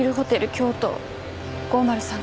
京都５０３号室。